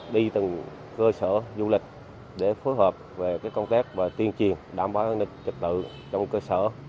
đi từng cơ sở du lịch để phối hợp về công tác và tuyên truyền đảm bảo an ninh trật tự trong cơ sở